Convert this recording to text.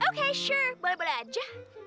okay sure boleh boleh aja